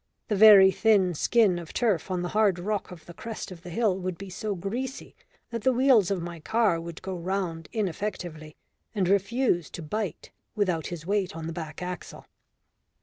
The very thin skin of turf on the hard rock of the crest of the hill would be so greasy that the wheels of my car would go round ineffectively and refuse to bite without his weight on the back axle.